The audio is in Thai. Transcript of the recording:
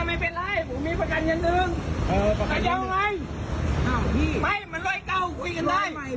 อ่าไม่เป็นไรผมมีประกันอย่างหนึ่ง